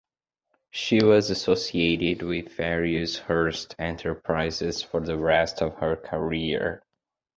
She was associated with various Hearst enterprises for the rest of her career.